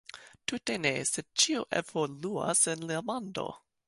Tute ne, sed ĉio evoluas en la mondo!